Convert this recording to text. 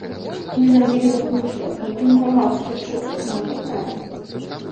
Мне зрабілі такую штуку, думаю, мала хто чуў нават назву.